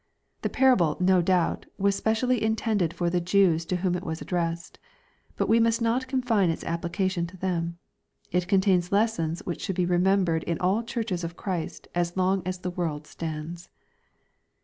The parable, no doubt, was specially intended for the Jews to whom it was addressed. But we must not con fine its application to them. It contains lessons which should be remembered in all churches of Christ as long as the world stands.